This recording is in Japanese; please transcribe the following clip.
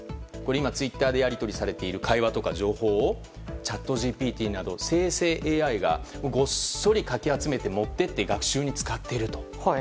今、ツイッターでやり取りされている会話とか情報をＣｈａｔＧＰＴなど生成ＡＩがごっそりかき集めて持って行って学習に使っていると。